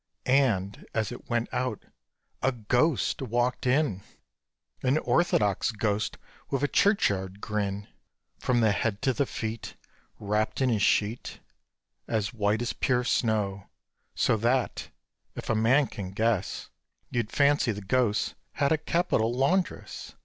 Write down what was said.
And as it went out a ghost walked in! An orthodox ghost, with a churchyard grin; From the head to the feet Wrapped in a sheet As white as pure snow so that, if a man can guess, You'd fancy the ghost had a capital laundress.